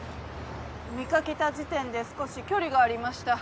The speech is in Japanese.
見かけた時点で少し距離がありました。